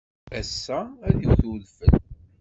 Ass-a, ad iwet udfel.